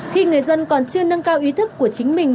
khi người dân còn chưa nâng cao ý thức của chính mình